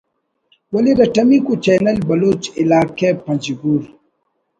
ولے ارٹمیکو چینل بلوچ علاقہ پنجگور